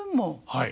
はい。